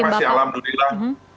ya kita masih alhamdulillah